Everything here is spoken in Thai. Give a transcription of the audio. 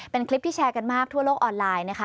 เป็นคลิปที่แชร์กันมากทั่วโลกออนไลน์นะคะ